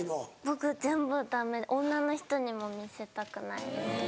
僕全部ダメ女の人にも見せたくないです。